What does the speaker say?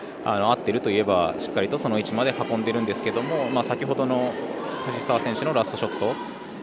合ってるといえばしっかりその位置まで運んでるんですけど先ほどの藤澤選手のラストショット。